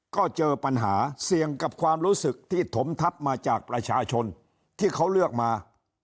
ก็เจอปัญหาเสี่ยงกับความรู้สึกที่ถมทับมาจากประชาชนที่เขาเลือกมา